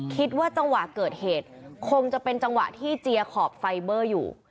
คิดว่าจังหวะเกิดเหตุคงจะเป็นจังหวะที่เจียขอบไฟเบอร์อยู่